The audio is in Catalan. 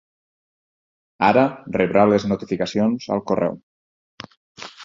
Ara rebrà les notificacions al correu.